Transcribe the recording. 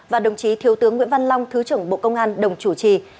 và đồng chí thiếu tướng nguyễn văn long thứ trưởng bộ công an đồng chủ trì